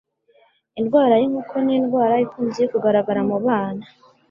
Indwara yinkoko nindwara ikunze kugaragara mubana.